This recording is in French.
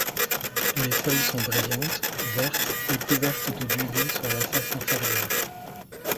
Les feuilles sont brillantes, vertes et couvertes de duvet sur la face inférieure.